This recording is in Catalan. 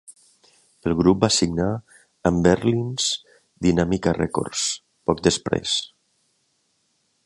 El grup va signar amb Berlin's Dynamica Records poc després.